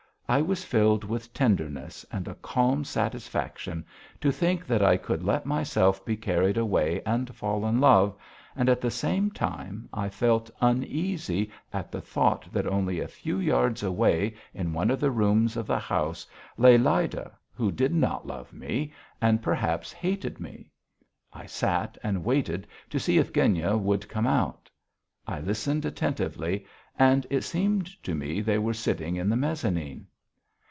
I was filled with tenderness and a calm satisfaction, to think that I could let myself be carried away and fall in love, and at the same time I felt uneasy at the thought that only a few yards away in one of the rooms of the house lay Lyda who did not love me, and perhaps hated me. I sat and waited to see if Genya would come out. I listened attentively and it seemed to me they were sitting in the mezzanine.